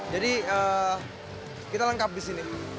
jadi kita lengkap disini